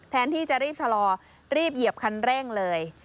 แทนที่จะรีบชะลอรีบเหยียบคันเร่งเลย